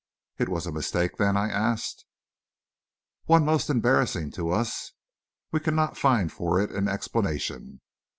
"It was a mistake, then?" I asked. "One most embarrassing to us. We can not find for it an explanation.